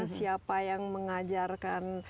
siapa yang mengajarkan